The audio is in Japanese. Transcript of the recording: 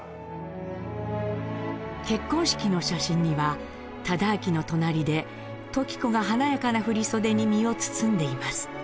結婚式の写真には忠亮の隣で時子が華やかな振り袖に身を包んでいます。